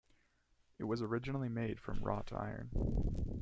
It was originally made from wrought iron.